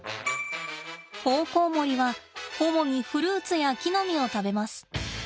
オオコウモリは主にフルーツや木の実を食べます。